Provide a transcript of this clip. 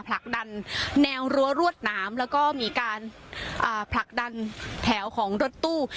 ผลักดันแนวรั้วรวดหนามแล้วก็มีการผลักดันแถวของรถตู้